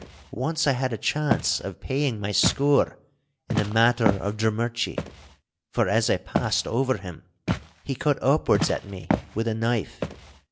Once I had a chance of paying my score in the matter of Drummurchie, for as I passed over him he cut upwards at me with a knife.